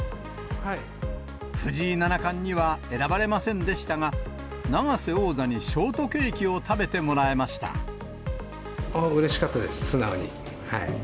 藤井七冠には選ばれませんでしたが、永瀬王座にショートケーキをうれしかったです、素直に。